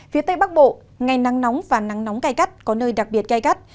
phía tây bắc bộ ngày nắng nóng và nắng nóng cay cắt có nơi đặc biệt cay cắt